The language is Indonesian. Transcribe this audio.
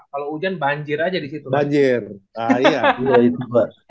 kalau hujan banjir aja di situ banjir